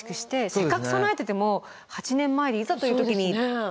せっかく備えてても８年前でいざという時に使えなかったら。